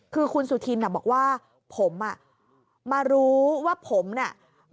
คือคุณสุธินบอกว่าผมอ่ะมารู้ว่าผมเนี่ย